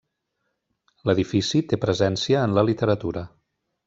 L'edifici té presència en la literatura.